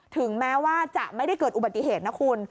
ถึงแม้ว่าจะไม่ได้เกิดอุบัติเหตุนะคุณ